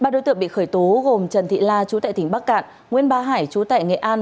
ba đối tượng bị khởi tố gồm trần thị la chú tại tỉnh bắc cạn nguyễn ba hải chú tại nghệ an